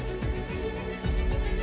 saya merasa terlalu baik